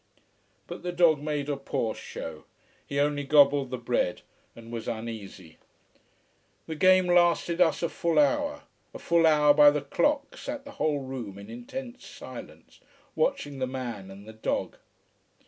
But the dog made a poor show He only gobbled the bread and was uneasy. This game lasted us a full hour: a full hour by the clock sat the whole room in intense silence, watching the man and the dog.